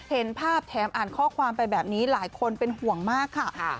เห็นภาพแถมอ่านข้อความไปแบบนี้หลายคนเป็นห่วงมากค่ะ